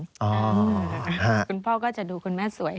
คุณพ่อก็จะดูคุณแม่สวย